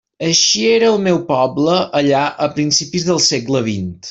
Així era el meu poble allà a principis del segle xx.